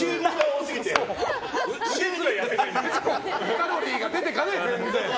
カロリーが出てかない、全然。